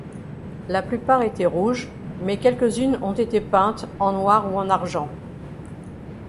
La plupart étaient rouge, mais quelques-unes ont été peintes en noir ou en argent.